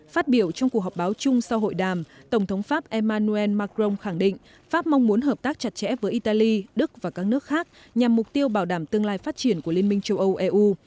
phát biểu trong cuộc họp báo chung sau hội đàm tổng thống pháp emmanuel macron khẳng định pháp mong muốn hợp tác chặt chẽ với italy đức và các nước khác nhằm mục tiêu bảo đảm tương lai phát triển của liên minh châu âu eu